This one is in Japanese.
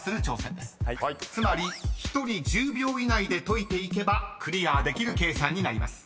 ［つまり１人１０秒以内で解いていけばクリアできる計算になります］